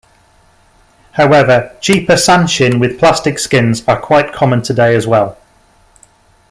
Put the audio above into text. However, cheaper sanshin with plastic skins are quite common today as well.